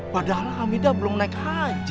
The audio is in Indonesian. padahal hamidah belum naik haji